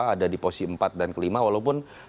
ada di posisi empat dan kelima walaupun